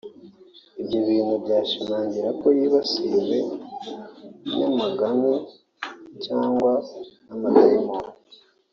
Ibyo bituma bashimangira ko yibasiwe n’amagini cyangwa amadayimoni